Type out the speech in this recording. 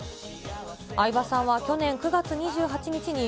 相葉さんは去年９月２８日に、